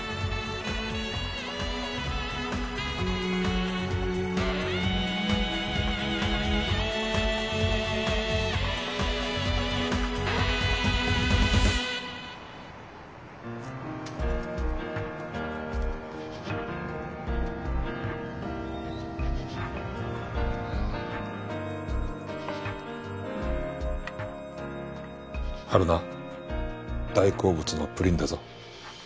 春菜大好物のプリンだぞ。